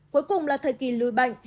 cuối cùng là thời kỳ lùi bệnh